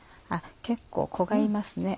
結構子がいますね。